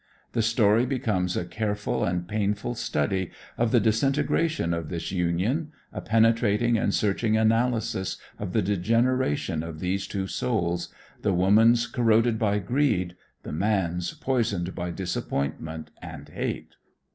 The story becomes a careful and painful study of the disintegration of this union, a penetrating and searching analysis of the degeneration of these two souls, the woman's corroded by greed, the man's poisoned by disappointment and hate.